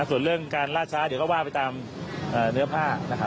ส่วนเรื่องการลาดช้าเดี๋ยวก็ว่าไปตามเนื้อผ้านะครับ